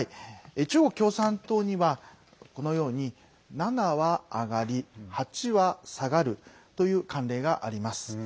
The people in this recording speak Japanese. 中国共産党には、このように７は上がり８は下がるという慣例があります。